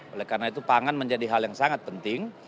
oleh karena itu pangan menjadi hal yang sangat penting